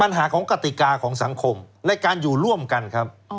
ปัญหาของกติกาของสังคมในการอยู่ร่วมกันครับ